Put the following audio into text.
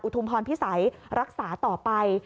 ทุมพรพิสัยรักษาต่อไป